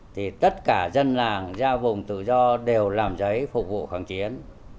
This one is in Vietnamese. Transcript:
thì tất cả dân làng ra vùng tự do đều làm giấy phục vụ kháng chiến